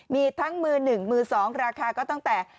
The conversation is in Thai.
มีทั้งมือหนึ่งมือสองราคาก็ตั้งแต่